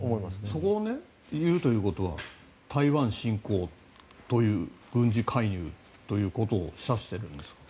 そこを入れるということは台湾侵攻という軍事介入を指しているんですか？